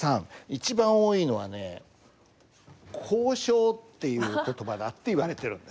一番多いのはね「コウショウ」っていう言葉だっていわれてるんです。